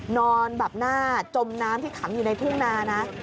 นอนแบบหน้าจมน้ำที่ขังอยู่ในทุ่งนานะ